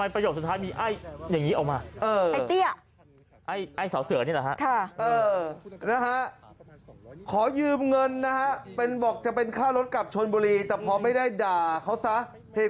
ไม่เป็นไรดีกว่าครับผมขอโทษจริงนะครับ